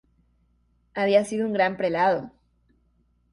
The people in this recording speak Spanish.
Había sido un gran prelado.